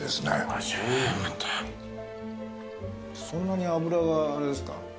そんなに脂があれですか？